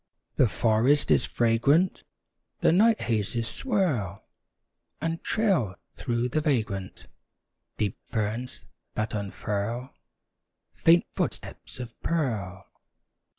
The forest is fragrant; The night hazes swirl And trail, through the vagrant Deep ferns that unfurl, Faint footsteps of pearl.